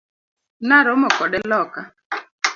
Naromo kode loka.